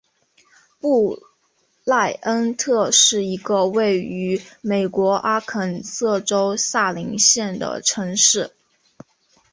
布赖恩特是一个位于美国阿肯色州萨林县的城市。